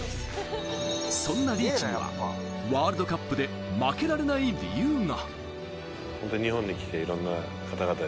そんなリーチにはワールドカップで負けられない理由が。